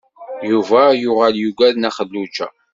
Yuba yuɣal yugad Nna Xelluǧa.